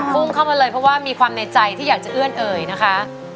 พุ่งเข้ามาเลยเพราะว่ามีความในใจที่อยากจะเอื้อนเอ่ยนะคะ